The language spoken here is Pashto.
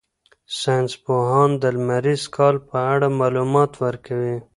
ساینس پوهان د لمریز کال په اړه معلومات ورکوي.